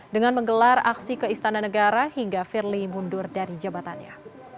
dengan menggelar aksi ke istana negara hingga firly mundur dari jabatannya